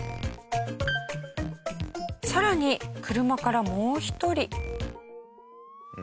さらに車からもう一人。